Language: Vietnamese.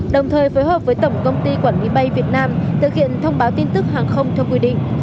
đồng thời phối hợp với tổng công ty quản lý bay việt nam thực hiện thông báo tin tức hàng không theo quy định